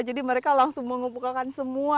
jadi mereka langsung membukakan semua